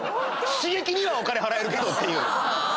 刺激にはお金払えるけどっていう。